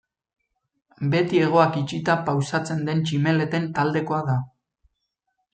Beti hegoak itxita pausatzen den tximeleten taldekoa da.